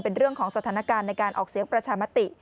เป็นเรื่องของสถานการณ์ในการออกเสียงประชามติ